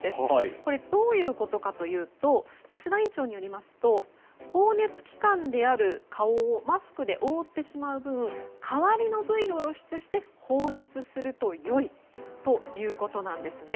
これ、どういうことかというと吉田院長によりますと放熱器官である顔をマスクで覆ってしまう分代わりの部位を露出して放熱すると良いということなんですね。